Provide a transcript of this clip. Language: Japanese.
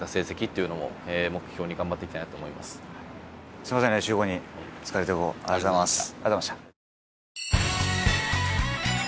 すみません、練習後、お疲れのところにありがとうございました。